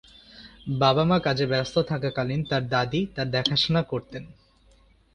বাবা মা কাজে ব্যস্ত থাকাকালীন তাঁর দাদি তাঁর দেখাশোনা করতেন।